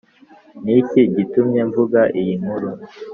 Ni iki gitumye mvuga iyi nkuru‽